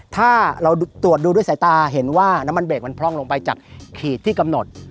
ถ้าเราตรวจดูด้วยสายตาเห็นว่าน้ำมันเบรกมันพร่องลงไปจากขีดที่กำหนด